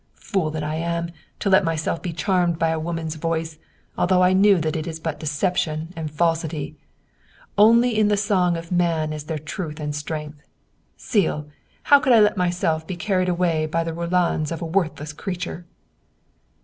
Fool that I am, to let myself be charmed by a woman's voice, although I knew that it is but deception and falsity. Only in the song of man is there truth and strength, del! How could I let myself be car ried away by the roulades of a worthless creature